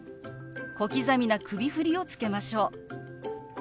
小刻みな首振りをつけましょう。